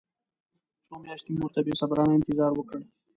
څو میاشتې مې ورته بې صبرانه انتظار وکړ.